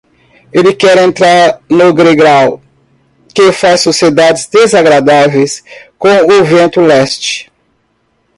Ele quer entrar no gregal, que faz sociedades desagradáveis com o vento leste.